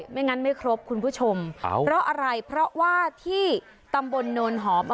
ไม่งั้นไม่ครบคุณผู้ชมเพราะอะไรเพราะว่าที่ตำบลโนนหอม